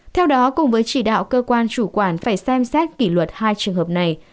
theo đó cùng với chỉ đạo cơ quan chủ quản phải xem xét kỷ luật hai trường hợp này